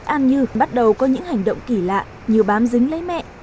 an như bắt đầu có những hành động kỳ lạ như bám dính lấy mẹ